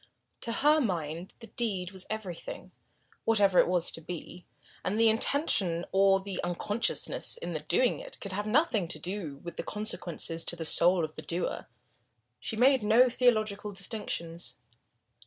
To her mind the deed was everything, whatever it was to be, and the intention or the unconsciousness in doing it could have nothing to do with the consequences to the soul of the doer. She made no theological distinctions.